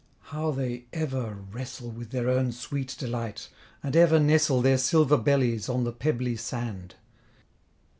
How they ever wrestle With their own sweet delight, and ever nestle Their silver bellies on the pebbly sand.